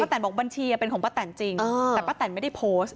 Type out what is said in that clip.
แนนบอกบัญชีเป็นของป้าแตนจริงแต่ป้าแตนไม่ได้โพสต์